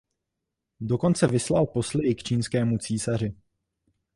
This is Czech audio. Dokonce vyslal posly i k čínskému císaři.